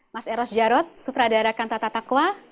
mas eros jarot sutradara kantata taqwa